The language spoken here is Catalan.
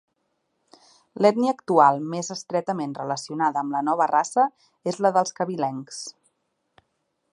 L'ètnia actual més estretament relacionada amb la nova raça és la dels cabilencs.